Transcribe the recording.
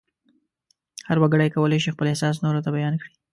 هر وګړی کولای شي خپل احساس نورو ته بیان کړي.